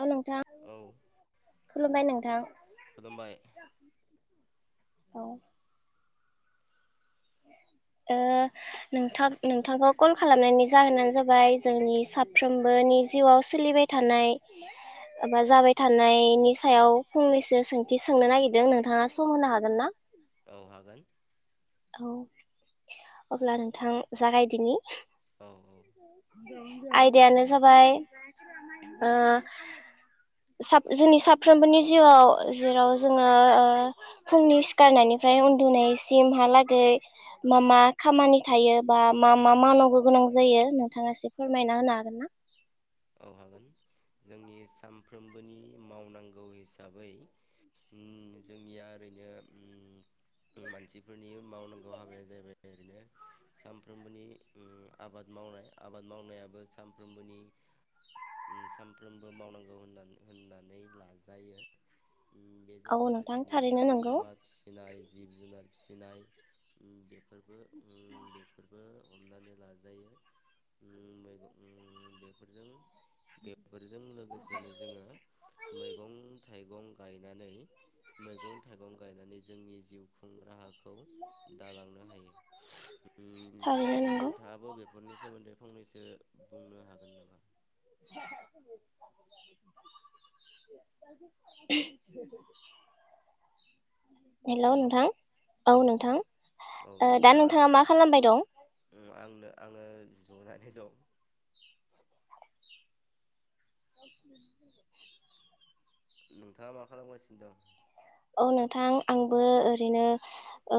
हाल' नोंथां औ खुलुमबाय नोंथां। खुलुमबाय औ। ओ नोंथां नोंथांखौ कल खालामनायनि जाहोनानो जाबाय। जोंनि साफ्रोमबोनि जिउआव सोलिबाय थानाय बा जाबाय थानायनि सायाव फंनैसो सोंथि सोंनो नागिरदों नोंथाङा सम होनो हागोन ना? औ हागोन। औ अब्ला नोंथां जागायदिनि। औ [unintelligible] आयदायानो जाबाय ओ साब जोंनि साफ्रोमबोनि जिउआव जेराव जोङो ओ फुंनि सिखारनायनिफ्राय उन्दुनाय सिम हा लाग नै मा मा खामानि थायो बा मा मा मावनांगौ गोनां जायो नोंथाङा एसे फोरमायना होनो हागोन ना? मोन जोंनि सानफ्रोमबोनि मावनांगौ हिसाबै उम जोंनिया ओरैनो ओम मानसिफोरनि मावनांगौ हाबाया जाहैबाय ओरैनो सानफ्रोमबोनि उम आबाद मावनाय आबाद मावनायाबो सानफ्रोमबोनि सानफ्रोमबो मावनांगौ [inaudible] [inaudible] फिसिनाय [inaudible] [inaudible] हमनानै औ नोंथां थारैनो नंगौ लाजायो ओम मैगं ओम बेफोरजों बेफोरजों लोगोसेनो जोङो मैगं थाइ गं गायनानै मैगं थाइगं गायनानै जोंनि जिउ खुं राहा खौ दालांनो हायो थारैनो ओम नंगौ नोंथाङाबो बेफोरनि सोमोन्दै फंनैसो [unintelligible] बुंनो हागोन नामा? [inaudible] हेल' हेलौ नोंथां औ नोंथां ओ दा नोंथाङा मा खालामबाय दं? उम आंनो आङो [unintelligible] [inaudible] नोंथाङा मा खालामगासिनो दं? औ नोंथां आंबो ओरैनो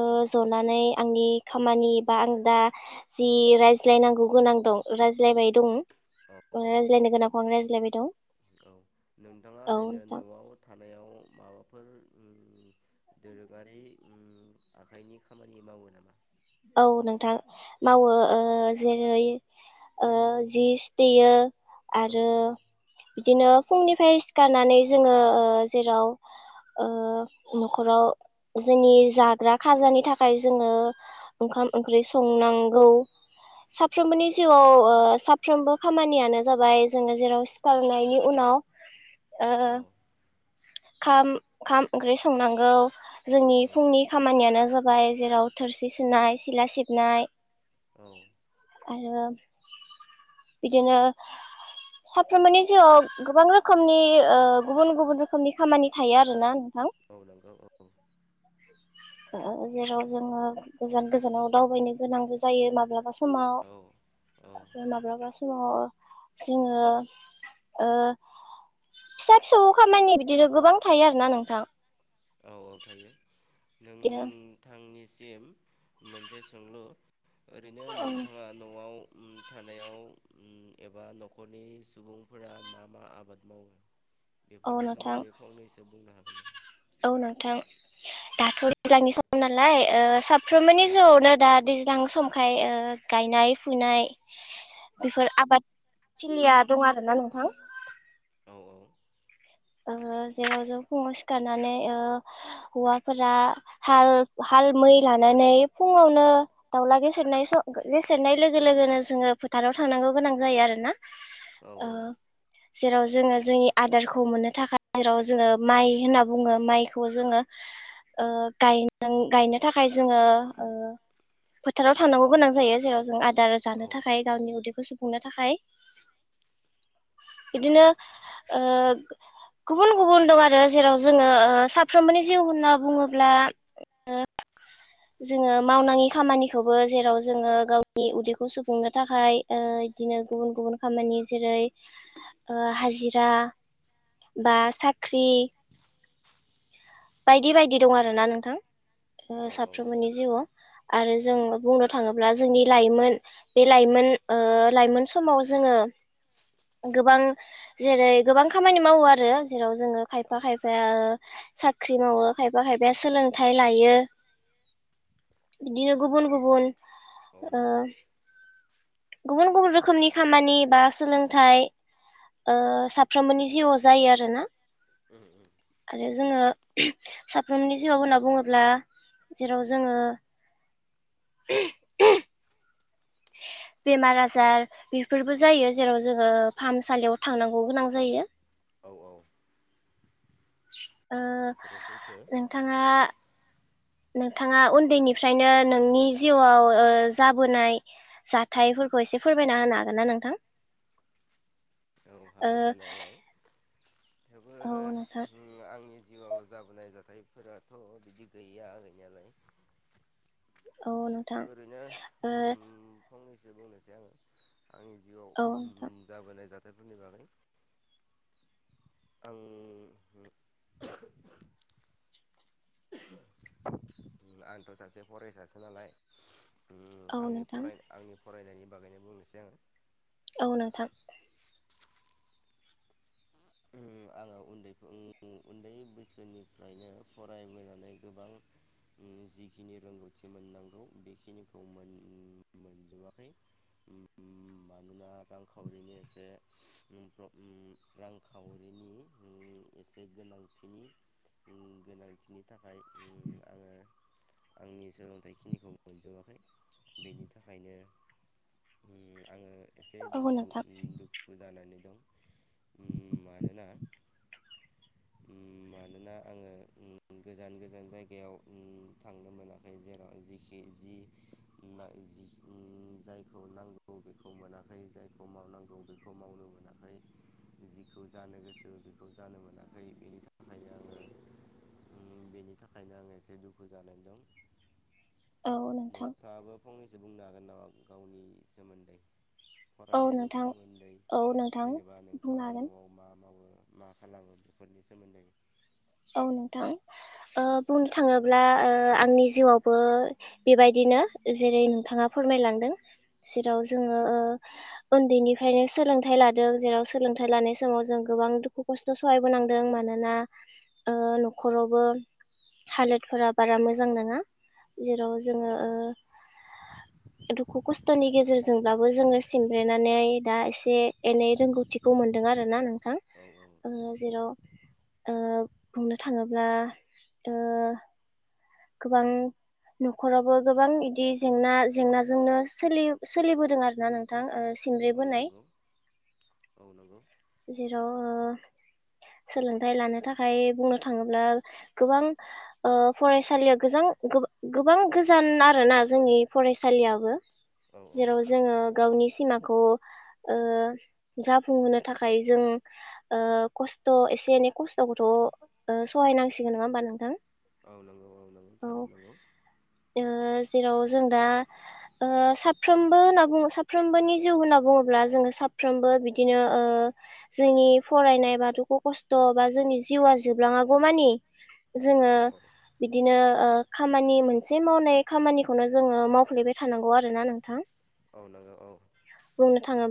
ओ जनानै आंनि खामानि बा आं दा जि रायज्लायनांगौ गोनां दं रायज्लायबाय [unintelligible] औ ओ औ रायज्लायनो गोनांखौ आं रायज लायबाय दं। औ नोंथाङा औ ओरैनो नोंथां न'आव थानायाव माबा फोर उम दोरोङारि उम आखाइनि खामानि मावो नामा? औ नोंथां मावो ओ जेरै ओ जि सुतेयो औ आरो औ बिदिनो फुंनिफाय सिखारनानै जोङो ओ जेराव ओ न'खराव जोंनि जाग्रा खाजानि थाखाय जोङो ओंखाम ओंख्रि संनांगौ साफ्रोमबोनि जिउआव ओ साफ्रोमबो खामानियानो जाबाय जोङो जेराव सिखारांनायनि उनाव ओ औ खाम खाम ओंख्रि संनांगौ औ जोंनि नंगौ फुंनि खामानियानो जाब [unintelligible] जेराव थोरसि सुनाय सिला सिबनाय औ आरो बिदिनो साफ्रोमबोनि जिउआव गोबां रोखोमनि ओ गुबुन गुबुन रोखोमनि खामानि थायो आरोना [unintelligible] औ नंगौ औ [unintelligible] जेराव जोङो गोजान गोजानाव दावबायनो गोनांबो जायो माब्लाबा स औ औ [unintelligible] [unintelligible] जोङो ओ फिसा फिसौ खामानि बिदिनो गोबां थायो आरोना नोंथां। औ औ थायो। बिदिनो नोंथांनि सि [unintelligible] मोनसे सोंलु ओरैनो नोंथाङा न'आव उम थानायाव उम एबा न'खरनि सुबुंफोरा मा मा आबाद मावो? औ बेफोरनि नोंथां सोमोन्दै फंनैसो एसे बुंनो हागोन नामा? औ नोंथां। दाथ' दैज्लांनि सम नालाय ओ सा औ फ्रोमनि जिउआवनो दा दैज्लां सम ओमफ्राय ओ गायनाय फुनाय बेफोर आबादथिलिया दं आरोना नोंथां। औ औ। ओ जेराव जों फुङाव सिखारनानै ओ हौवाफोरा हाल हाल मै लानानै फुङावनो दाउला गेसेेरनाय स' गेसेेरनाय लोगो लोगोनो जोङो फोथाराव थांनांगौ गोनां जायो आरो ना। औ औ जेराव जोङो जोंनि आदारखौ मोननो थाखाय जेराव जोङो माइ होनना बुङो माइखौ जोङो ओ गायनां गायनो थाखाय जोङो ओ फोथाराव थांनांगौ गोनां जायो। जेराव जों [unintelligible] औ जानो थाखाय गावनि उदै खौ सुफुंनो थाखाय बिदिनो ओ गुबुन गुबुन दं आरो जेराव जोङो ओ साफ्रोमबोनि जिउ होनना बुङोब्ला ओ जोङो मावनाङि खामानिखौबो जेराव जोङो गावनि उदैखौ सुफुंनो थाखाय ओ इदिनो गुबुन गुबुन खामानि जेरै ओ हाजिरा बा साख्रि बायदि बायदि दं आरो ना नोंथां। ओ औ औ नंगौ साफ्रोमबोनि जिउआव। आरो जों बुंनो थाङोब्ला जोंनि लाइमोन बे लाइमोन ओ लाइमोन समाव जोङो गोबां जेरै गोबां खामानि मावो आरो जेराव जोङो खायफा औ खायफाया सा ख्रि मावो खायफा खायफाया सोलोंथाइ लायो। बिदिनो गुबुन गुबुन औ ओ नंगौ गुबुन गुबुन रोखोमनि खामानि बा सोलोंथाइ ओ साफ्रोमबोनि जिउआव जायो आरोना। उम उम। आरो जोङो साफ्रोमनि जिउआव होनना बुङोब्ला जेराव जोङो बेमार आजार बेफोरबो जायो जेराव जोङो फाहामसालियाव थांनांगौ गोनां जायो। औ औ। [inaudible] ओ बेफोरो सैथो नोंथाङा नोंथाङा उन्दैनिफ्रायनो नोंनि जिउआव ओ जाबोनाय जाथायफोरखौ एसे फोरमायना होनो हागोन ना नोंथां? औ ओ हागोन हानायालाय थेवबो औ नोंथां उम आंनि जिउआव जाबोनाय जाथाय फोराथ' बिदि गैया गैनायालाय। औ नोंथां। ओरैनो ओ उम फंनैसो बुंनोसै आङो। आंनि ओ जिउआव उम जाबोनाय जा थायफोरनि बागै आं आंथ' सासे फरायसासो नालाय। उम औ आंनि नोंथां फराय आंनि फरायनायनि बागैनो बुंनोसै आङो। औ नोंथां। उम आङो उन्दै उन्दै बोसोरनिफ्रायनो फरायबोनानै गोबां, जिखिनि रोंगौथि मोननांगौ बेखिनिखौ मोनजोबाखै उम मानोना रांखावरिनि एसे रां खावरिनि उम एसे गोनांथिनि, गोनांथिनि थाखाय उम आङो आंनि सोलोंथाइखिनिखौ मोनजोबाखै। बेनि थाखायनो आङो एसे औ दुखु नोंथां दुखु जानानै दं। उम मानोना आङो उम गोजान गोजान जायगायाव उम थांनो मोनाखै जेराव जिखि जि उम जायखौ नांगौ बेखौ मोनाखै जायखौ मावनांगौ बेखौ मावनो मोनाखै। जिखौ जानो गोसो बेखौ जानो मोनाखै बेनि थाखायनो आङो बेनि थाखायनो आं एसे दुखु जानानै दं। औ नोंथां। जो बुंनो हागोन नामा गावनि सोमोन्दै। औ नोंथां औ फरायनायनि नोंथां सोमोन्दै औ नोंथां जेनेबा बुंनो नोंथाङा हागोन न'आव मा मावो? मा खालामो? बेफोरनि सोमोन्दै औ नोंथां ओ बुंनो थाङोब्ला ओ आंनि जिउआवबो बेबायदिनो जेरै नोंथाङा फोरमायलांदों। जेराव जोङो ओ उन्दैनिफ्रायनो सोलोंथाइ लादों जेराव सोलोंथाइ लानाय समाव जों गोबां दुखु खस्थ' सहायबोनांदों मानोना ओ न'खरावबो हालोदफोरा बारा मोजां नङा। जेराव औ जोङो औ ओ दुखु खस्थ'नि गेजेरजोंब्लाबो जोङो सिमब्रेनानै दा एसे एनै रोंगौथिखौ मोनदों आरोना नोंथां औ औ ओ नंगौ जेराव ओ बुंमनो थाङोब्ला ओ गोबां न'खरावबो गोबां इदि जेंना जेंनाजोंनो सोलि सोलिबोदों आरो ना नोंथां? सिमब्रे औ बोनाय नंगौ औ नंगौ जेराव ओ सोलोंथाइ लानो थाखाय बुंनो थाङोब्ला गोबां ओ फरायस सालिया गोजं गोब गोबां गोजान आरो ना जोंनि फरायसालियाबो औ औ जेराव जोङो गावनि सिमाखौ, ओ जाफुंहोनो थाखाय जों ओ खस्थ' एसे एनै खस्थ'खौथ' ओ सहायनांसिगोन नङा होनबा नोंथां? औ नंगौ औ नांगौ थारैनो नांगौ। ओ जेराव जों दा ओ साफ्रोमबो होन्ना बुङो साफ्रोमबोनि जिउ होन्ना बुङोब्ला जोङो साफ्रोमबो बिदिनो ओ जोंनि फरायनाय बा दुखु खस्थ' बा जोंनि जिउआ जोबलाङागौ मानि जोङो औ औ ओ ओ खामानि मोनसे मावनाय खामानिखौनो जोङो मावफ्लेबाय थानांगौ आरोना नोंथां। औ नंगौ औ।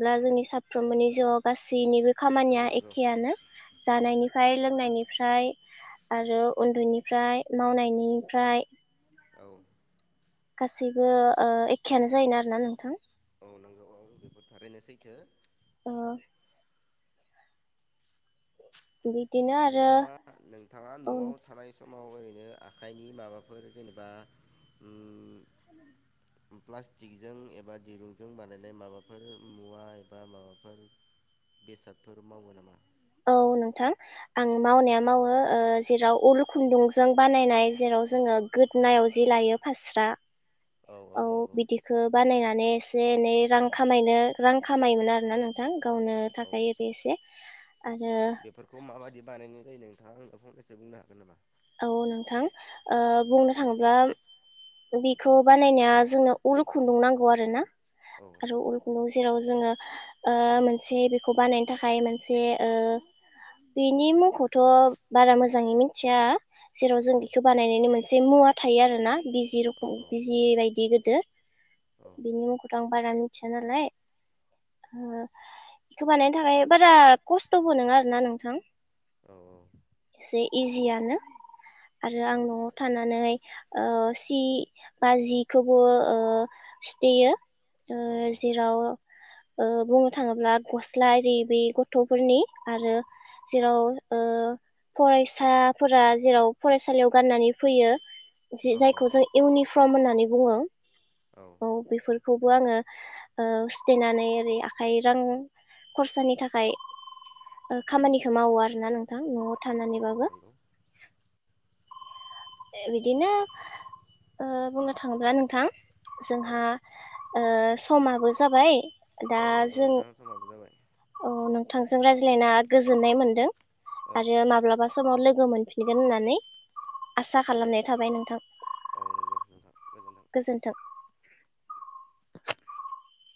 ब्ला जोंनि साफ्रोमबोनि जिउआव गासैनिबो औ खामानिया नंगौ एखेयनो जानायनिफ्राय लो [unintelligible] नायनिफ्राय आरो उन्दैनिफ्राय मावनायनिफ्राय औ। गासैबो ओ एखेयानो जायोना आरोना नोंथां? औ नंगौ औ बे थारैनो सैथो। ओ। बिदिनो आरो नोंथाङा नोंथाङा औ न'आव थानाय सम माव ओरैनो आखाइनि माबाफोर जेनेबा उम प्लास्टिकजों एबा दिरुंजों बानायनाय माबाफोर मुवा एबा माबाफोर बेसादफोर मावो नामा? औ नोंथां आं मावनाया मावो ओ जेराव उल खुन्दुंजों बानायनाय जेराव जोङो गोदनायाव जि लायो फास्रा औ बिदिखौ बानायनानै एसे एनै रां खामायनो रां खामायोमोन आरोना नोंथां गावनो औ थाखाय ओरै एसे आरो बेफोरखौ माबायदि बानायनाय जायो आंनो माखासे बुंनो हाग नामा? औ नोंथां ओ बुंनो थाङोब्ला बेखौ बानायनाया जोंनो उलु खुन्दुं नांगौ आर ना औ आरो उल खुन्दुं जेराव जोङो ओ मोनसे बेखौ बानायनो थाखाय मोनसे ओ बेनि मुंखौथ' बारा मोजाङै मिथिया जेराव जों औ बेखौ बानायनायनि मोनसे मुवा थायो आरो ना। बिजि औ रखम औ बिजि बायदि गोद औ [unintelligible] बिनि मुंखौथ आं बारा मिथिया नालाय ओ बेखौ बानायनो थाखाय बारा खस्थ'बो नङा आरोना नोंथां। औ औ। से इजियानो आरो आं औ न'आव थानानै ओ सि बा जिखौबो ओ सुथेयो। ओ औ जेराव ओ बुंनो थाङोब्ला गस्ला इरि बे गथ'फोरनि आरो जेराव ओ फरायसाफोरा जेराव फरायसालियाव गाननानै फैयो। जे औ जायखौ जों इउनि फम होननानै बुङो। औ बेफोरखौ आङो ओ सुथेनानै ओरै आखाइ रां खरसानि थाखाय खामानिखौ मावो आरोना नोंथां न'आव औ औ थानानैबाबो। नंगौ बिदिनो ओ बुंनो थाङोब्ला नोंथां औ जोंहा ओं समाबो जाबाय। दा औ नोंगौ जों नोंथां समाबो जाबाय। औ नोंथांजों रायज्लायना गोजोननाय मोन्दों। औ आरो माब्ला समाव लोगो मोनफिनगोन होननानै औ आसा खालामनाय थाबाय नोंथां। [unintelligible] गोजोन्थों।